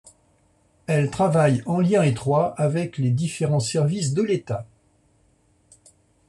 Elle travaille en lien étroit avec les différents services de l'état.